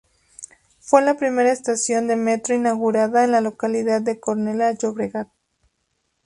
Fue la primera estación de metro inaugurada en la localidad de Cornellá de Llobregat.